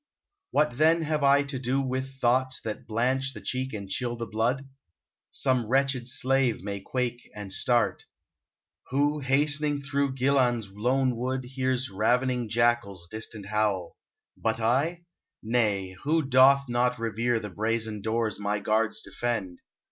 What then have I to do with thoughts That blanch the cheek and chill the blood ? Some wretched slave may quake and start. Who hast'ning through Ghilan's lone wood. Hears ravening jackals distant howl, — But I ? Nay, who doth not revere The brazen doors my guards defend